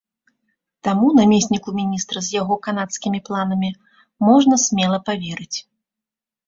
Таму намесніку міністра з яго канадскімі планамі можна смела паверыць.